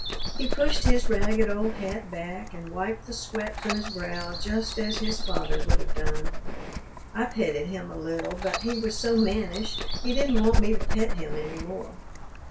He pushed his ragged old hat back and wiped the sweat from his brow just as his father would have done. I petted him a little, but he was so mannish he didn't want me to pet him any more.